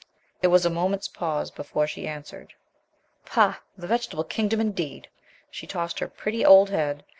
There was a moment's pause before she answered. "Pah! the vegetable kingdom, indeed!" She tossed her pretty old head.